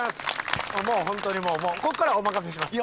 もうホントにもうここからはお任せします。